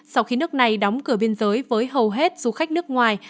sau khi nước này đóng cửa biên giới với hầu hết du khách nước ngoài